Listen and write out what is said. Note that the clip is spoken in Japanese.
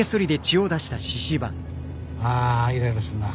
あイライラするな。